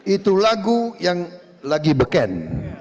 itu lagu yang lagi beken